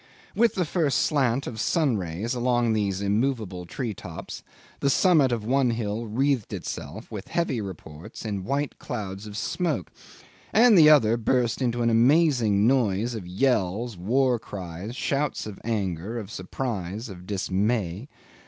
With the first slant of sun rays along these immovable tree tops the summit of one hill wreathed itself, with heavy reports, in white clouds of smoke, and the other burst into an amazing noise of yells, war cries, shouts of anger, of surprise, of dismay.